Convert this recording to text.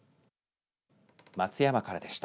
松山からでした。